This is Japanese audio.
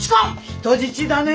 人質だね！